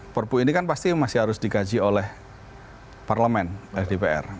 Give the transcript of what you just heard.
perpu ini kan pasti masih harus dikaji oleh parlemen dpr